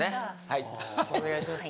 はいお願いします